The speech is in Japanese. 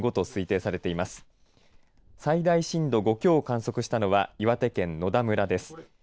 最大震度５強を観測したのは岩手県野田村です。